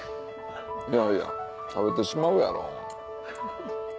いやいや食べてしまうやろう。